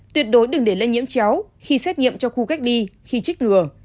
tuyệt đối đừng để lây nhiễm chéo khi xét nghiệm cho khu cách ly khi chích ngừa